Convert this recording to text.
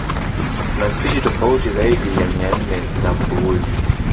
Kuna spishi tofauti zaidi ya mia nne za mbu huyu